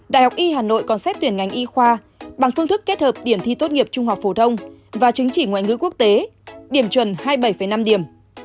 đại học y hà nội còn xét tuyển ngành y khoa bằng phương thức kết hợp điểm thi tốt nghiệp trung học phổ thông và chứng chỉ ngoại ngữ quốc tế điểm chuẩn hai mươi bảy năm điểm